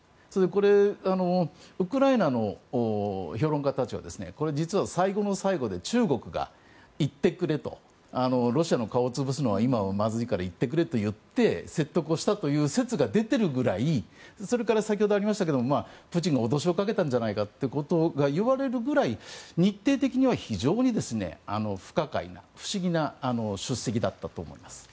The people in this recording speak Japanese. これ、ウクライナの評論家たちは実は、最後の最後で中国が行ってくれとロシアの顔を潰すのは今はまずいから行ってくれと言って説得をしたという説が出てるぐらいそれから、先ほどありましたがプーチンが脅しをかけたんじゃないかということが言われるくらい日程的には非常に不可解な不思議な出席だったと思います。